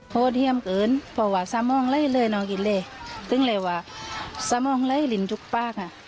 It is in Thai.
ไม่มีคนเลี้ยงตรงเลยนะ